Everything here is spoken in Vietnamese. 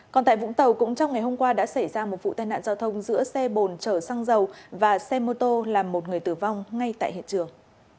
còn tại vũng tàu cũng trong ngày hôm qua đã xảy ra một vụ tai nạn giao thông giữa xe bồn chở xăng dầu và xe mô tô làm một người tử vong ngay tại hiện trường